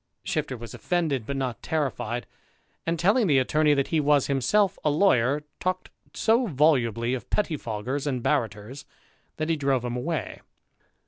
Shifter was offended, but not terrified ; and, 21 322 THE IDLER, telling the attorney that he was himself a lawyer, talked so volubly. of pettyfoggers and barraters, that he drove him away.